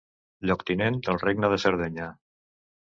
Lloctinent del regne de Sardenya.